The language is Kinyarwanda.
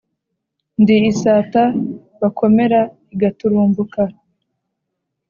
ndi isata bakomera igatumburuka